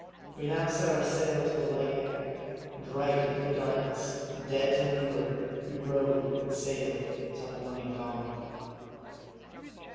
We now set our sail to a light air ; and right into the darkness, and dead to leeward, we rowed and sailed till morning dawned.